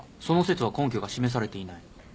その説は根拠が示されていない。